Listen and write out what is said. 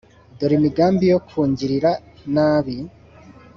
Dore imigambi yo kungirira nabi.